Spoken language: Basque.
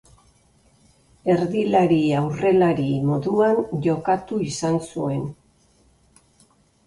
Erdilari-aurrelari moduan jokatu izan zuen.